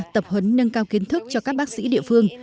tập hấn nâng cao kiến thức cho các bác sĩ địa phương